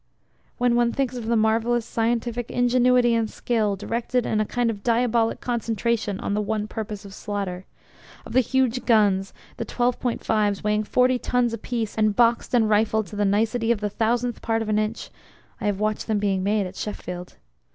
When one thinks of the marvellous scientific ingenuity and skill, directed in a kind of diabolic concentration on the one purpose of slaughter. Of the huge guns, the 12.5's, weighing 40 tons apiece, and boxed and rifled to the nicety of the thousandth part of an inch (I have watched them being made at Sheffield).